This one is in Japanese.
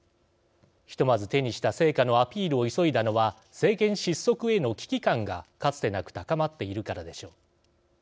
ひとまず手にした成果のアピールを急いだのは政権失速への危機感がかつてなく高まっているからでしょう。